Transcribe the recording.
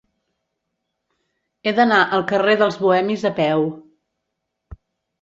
He d'anar al carrer dels Bohemis a peu.